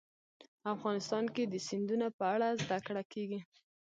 افغانستان کې د سیندونه په اړه زده کړه کېږي.